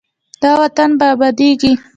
دا وطن به ابادیږي.